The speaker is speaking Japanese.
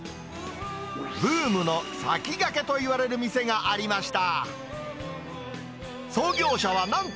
ブームの先駆けといわれる店がありました。